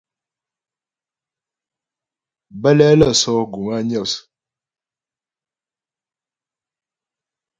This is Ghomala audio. Bə́lɛ lə́ sɔ̌ guŋ á Nyos.